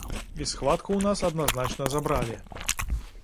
І схватку ў нас адназначна забралі.